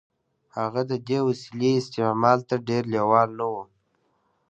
هغه د دې وسیلې استعمال ته ډېر لېوال نه و